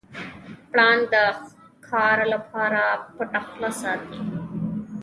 پړانګ د ښکار لپاره پټه خوله ساتي.